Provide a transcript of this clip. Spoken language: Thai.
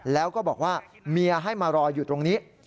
แล้วก็บอกว่าเมียให้มารออยู่ตรงนี้